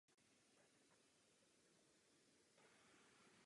Jeho synem je politik Ricardo Lagos Weber.